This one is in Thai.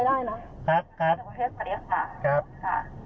ได้ค่ะภาษางานเรียบร้อยก็ได้